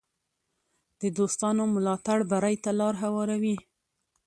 د دوستانو ملاتړ بری ته لار هواروي.